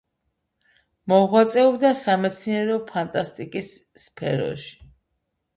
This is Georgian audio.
მოღვაწეობდა სამეცნიერო ფანტასტიკის სფეროში.